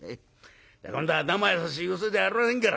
今度はなまやさしい嘘じゃありませんから。